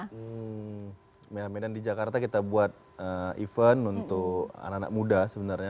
hmm medan di jakarta kita buat event untuk anak anak muda sebenarnya